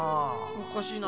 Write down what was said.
おかしいな。